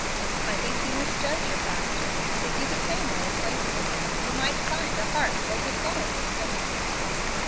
"I think you misjudge your pastor. If you became well acquainted with him, you might find a heart overflowing with sympathy."